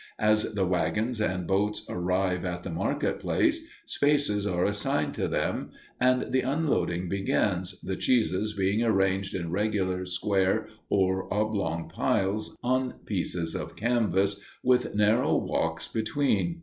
As the wagons and boats arrive at the market place, spaces are assigned to them, and the unloading begins, the cheeses being arranged in regular square or oblong piles on pieces of canvas, with narrow walks between.